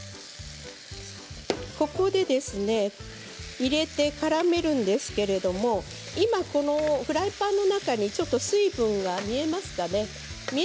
入れてからめるんですけれどフライパンの中にちょっと水分が見えますかね？